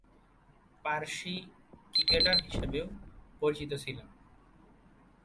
Parsi cricketer হিসেবেও পরিচিত ছিলেন।